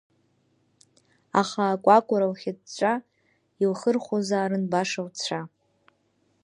Ахаакәакәара лхьыҵәҵәа, илхырхуазаарын баша лцәа.